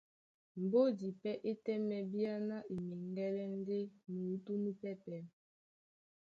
Mbódi pɛ́ é tɛ́mɛ bíáná e meŋgɛ́lɛ́ ndé muútú núpɛ́pɛ̄,